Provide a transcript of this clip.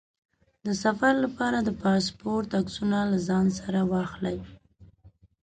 د سفر لپاره د پاسپورټ عکسونه له ځان سره واخلئ.